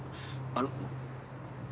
あの。